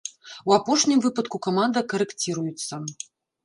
У апошнім выпадку каманда карэкціруецца.